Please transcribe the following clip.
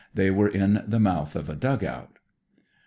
They were in the mouth of a dug out.